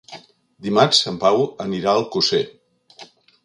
Dimarts en Pau anirà a Alcosser.